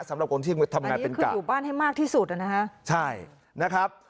สำหรับคนที่ทำงานเป็นคนอยู่บ้านให้มากที่สุดอ่ะนะฮะใช่นะครับ